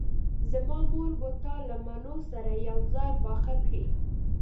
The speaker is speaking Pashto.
زما مور به تا له مڼو سره یوځای پاخه کړي